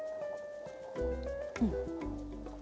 うん。